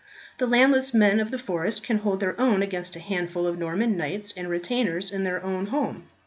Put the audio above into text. The landless men of the forest can hold their own against a handful of Norman knights and retainers in their own home."